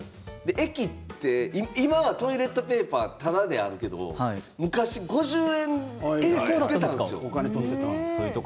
駅は今はトイレットペーパーはただであるけど昔は５０円で、売ってたりした。